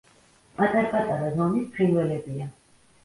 პატარ-პატარა ზომის ფრინველებია.